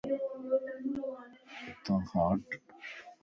اتا کان ھٽ